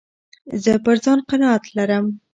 زه پر ځان قناعت لرم.